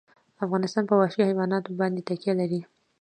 افغانستان په وحشي حیوانات باندې تکیه لري.